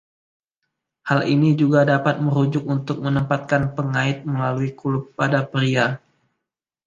Hal ini juga dapat merujuk untuk menempatkan pengait melalui kulup pada pria.